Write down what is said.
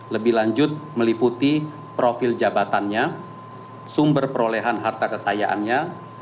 lebih lanjut meliputi profil jabatannya sumber perolehan harta kekayaannya